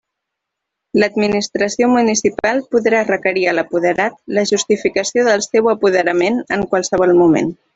L'administració municipal podrà requerir a l'apoderat la justificació del seu apoderament en qualsevol moment.